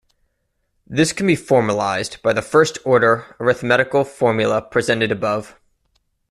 This can be formalized by the first-order arithmetical formula presented above.